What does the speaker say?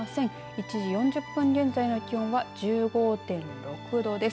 １時４０分現在の気温は１５．６度です。